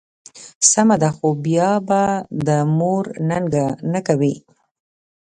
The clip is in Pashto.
سمه ده، خو بیا به د مور ننګه نه کوې.